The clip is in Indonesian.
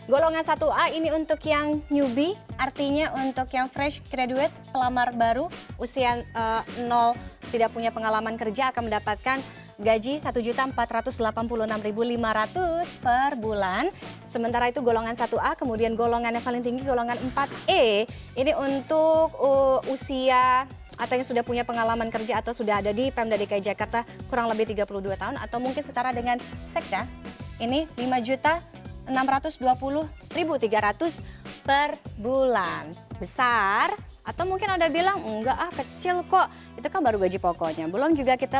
golongan satu a ini untuk yang newbie artinya untuk yang fresh graduate pelamar baru usian tidak punya pengalaman kerja akan mendapatkan gaji satu juta